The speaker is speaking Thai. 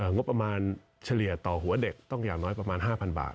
งบประมาณเฉลี่ยต่อหัวเด็กต้องอย่างน้อยประมาณ๕๐๐บาท